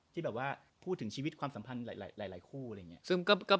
ที่แบบว่าพูดถึงชีวิตความสัมพันธ์หลายคู่